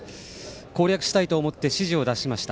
攻略したいと思って指示を出しました。